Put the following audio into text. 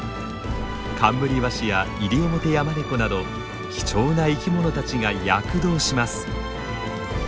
カンムリワシやイリオモテヤマネコなど貴重な生き物たちが躍動します。